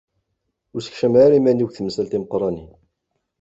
Ur ssekcameɣ ara iman-iw di temsal timeqqranin.